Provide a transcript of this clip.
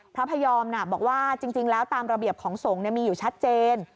พระพยอมบอกว่าจริงแล้วตามระเบียบของสงฆ์มีอยู่ชัดเจน